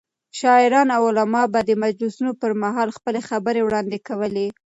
شاعران او علما به د مجلسونو پر مهال خپلې خبرې وړاندې کولې.